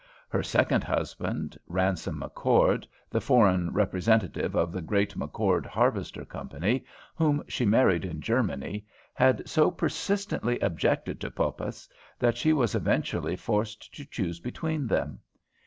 Her second husband, Ransome McChord, the foreign representative of the great McChord Harvester Company, whom she married in Germany, had so persistently objected to Poppas that she was eventually forced to choose between them.